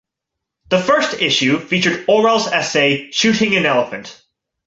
The first issue featured Orwell's essay "Shooting an Elephant".